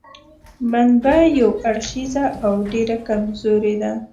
منبع یو اړخیزه او ډېره کمزورې ده.